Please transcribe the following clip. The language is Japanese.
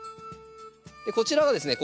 こちらがですね